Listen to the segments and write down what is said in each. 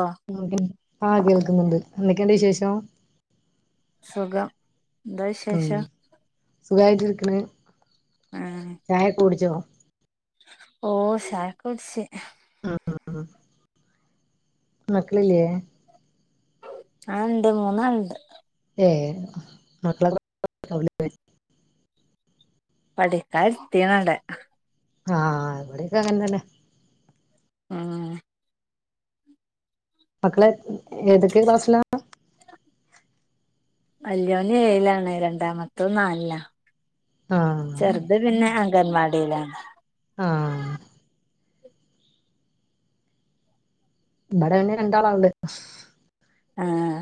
ആഹ് ആ കേൾക്കുന്നുണ്ട്, എന്തൊക്കെയുണ്ട് വിശേഷം. സുഖം, ന്താ വിശേഷം. സുഖായിട്ട് ഇരിക്കണ്. ആഹ്. ചായ കുടിച്ചോ? ഓ ചായൊക്ക കുടിച്ച് മ് മ് മ് മക്കളില്യേ. ആ ഉണ്ട് മൂന്ന് ആളിണ്ട്. ഏയ് മക്കള്. പഠിക്കാൻ ഇരിത്തിയാണവിടെ ആഹ് ഇവിടെക്കെ അങ്ങനെ തന്നെ. മം മക്കള് ഏതൊക്കെ ക്ലാസ്സിലാ. വല്യോൻ ഏഴിലാണ് രണ്ടാമത്തെ നാലില്ലാ. ആഹ്. ചെറുത് പിന്നെ അംഗൻവാടിയിലാണ്. ആഹ് ഇവിടെ ന്നെ രണ്ടാളാള് ആഹ്.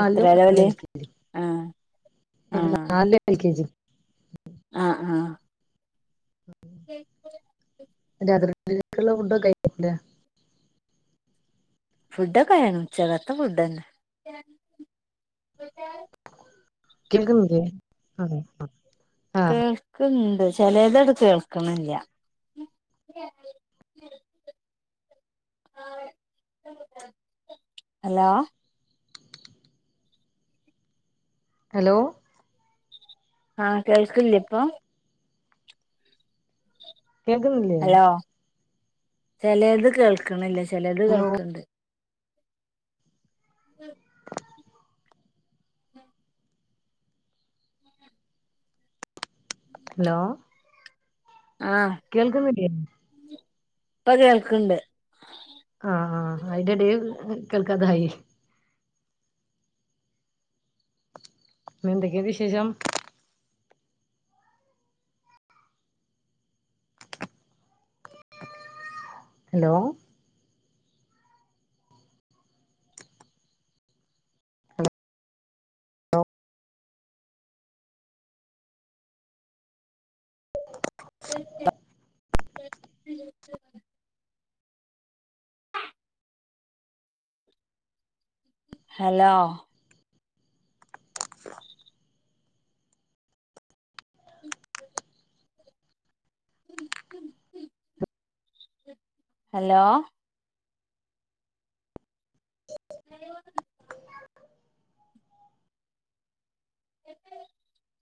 എത്രേലാ ഓല് ആഹ് ആഹ് ആഹ് ആഹ്. രാത്രിക്കക്കുള്ളെ ഫുഡോക്കെ [unintelligible] ഫുഡൊക്കെ ആയിന് ഉച്ചക്കത്തെ ഫുഡ്ന്നെ. കേൾക്കുന്നില്ലേ, അതെ ആ. കേൾക്ണ്ട് ചെലത്ട് കേൾക്ണില്ല. [inaudible] [inaudible] ഹലോ. ഹലോ. ആ കേൾക്കില്ലേ ഇപ്പോം കേൾക്കുന്നില്ലേ. ഹലോ ചെലേത് കേൾക്കണില്ല. ചെലേത് ഹലോ കേൾക്കിണ്ട്. ഉം ഹലോ. ആഹ്. കേൾക്കുന്നില്ലേ? ഇപ്പ കേൾക്ക്ണ്ട്. ആഹ് ആഹ് അയിന്റെ ഇടെൽ കേൾക്കാതായി. എന്തൊക്കെ വിശേഷം. ഹലോ. [inaudible] ഹലോ. ഹലോ. [unintelligible] [unintelligible]